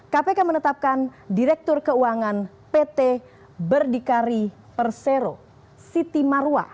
kpk menetapkan direktur keuangan pt berdikari persero siti marwa